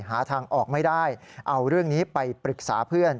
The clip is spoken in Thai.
หาทางออกไม่ได้เอาเรื่องนี้ไปปรึกษาเพื่อน